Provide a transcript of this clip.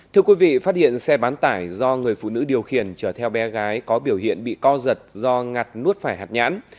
thưa quý vị phát hiện xe bán tải do người phụ nữ điều khiển chở theo bé gái có biểu hiện bị co giật do ngặt nuốt phải hạt nhãn